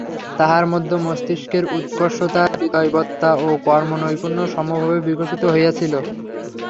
তাঁহার মধ্যে মস্তিষ্কের উৎকর্ষতা, হৃদয়বত্তা ও কর্মনৈপুণ্য সমভাবে বিকশিত হইয়াছিল।